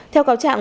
theo cáo trạng